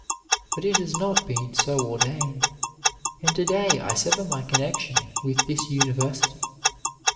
But it has not been so ordained, and to day I sever my connexion with this University.